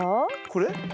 これ？